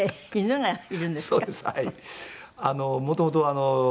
はい。